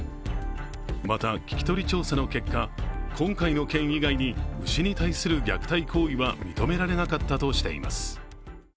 また、聴き取り調査の結果、今回の件以外に牛に対する虐待行為は認められなかったとしています。